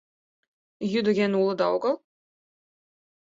Йӱдыген улыда огыл?